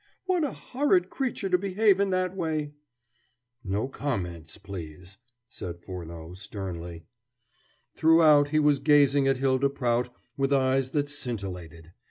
What a horrid creature to behave in that way " "No comments, please," said Furneaux sternly. Throughout he was gazing at Hylda Prout with eyes that scintillated.